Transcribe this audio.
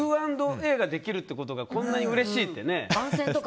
Ｑ＆Ａができるということがこんなにうれしいって。